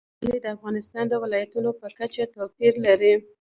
کلي د افغانستان د ولایاتو په کچه توپیر لري.